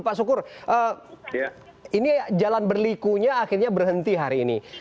pak sukur ini jalan berlikunya akhirnya berhenti hari ini